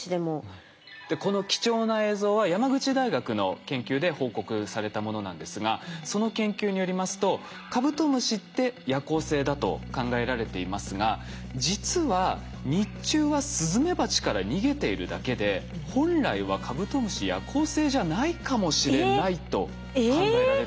この貴重な映像は山口大学の研究で報告されたものなんですがその研究によりますとカブトムシって夜行性だと考えられていますが実は日中はスズメバチから逃げているだけで本来はカブトムシ夜行性じゃないかもしれないと考えられるそうです。